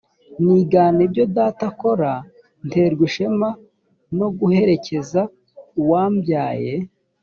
nigana ibyo data akora nterwa ishema no guherekeza uwambyaye